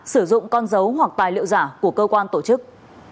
sử dụng con dấu hoặc tài liệu giả của cơ quan tổ chức